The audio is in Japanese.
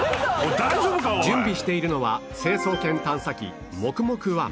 「大丈夫か？おい」準備しているのは成層圏探査機もくもく Ⅰ